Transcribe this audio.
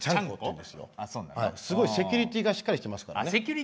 すごいセキュリティーがしっかりしてます。